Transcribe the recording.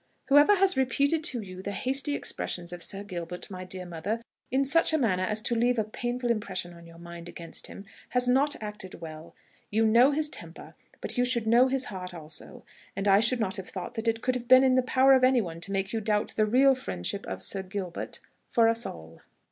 "Whoever has repeated to you the hasty expressions of Sir Gilbert, my dear mother, in such a manner as to leave a painful impression on your mind against him, has not acted well. You know his temper, but you know his heart also; and I should not have thought that it could have been in the power of any one to make you doubt the real friendship of Sir Gilbert for us all."